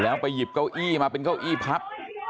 แล้วไปหยิบเก้าอี้มาเป็นเก้าอี้พับ